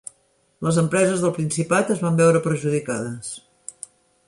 Les empreses del Principat es van veure perjudicades.